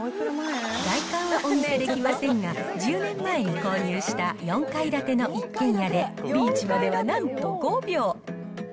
外観はお見せできませんが、１０年前に購入した４階建ての一軒家で、ビーチまではなんと５秒。